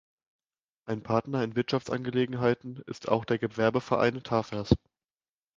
Ein Partner in Wirtschaftsangelegenheiten ist auch der Gewerbeverein Tafers.